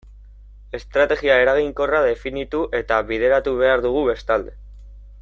Estrategia eraginkorra definitu eta bideratu behar dugu bestalde.